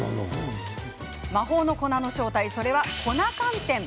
魔法の粉の正体、それは粉寒天。